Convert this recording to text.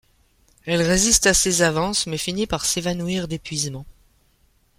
Elle résiste à ses avances mais finit par s'évanouir d'épuisement.